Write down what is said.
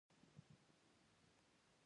محیطي عصبي سیستم له مغزو او شوکي نخاع بهر دی